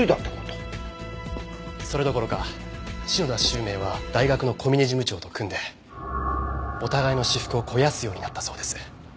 それどころか篠田周明は大学の小嶺事務長と組んでお互いの私腹を肥やすようになったそうです。